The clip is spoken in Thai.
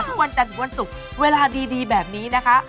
ทุกวันจันทุกวันสุขเวลาดีแบบนี้นะคะ